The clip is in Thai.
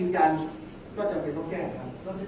แต่ว่าไม่มีปรากฏว่าถ้าเกิดคนให้ยาที่๓๑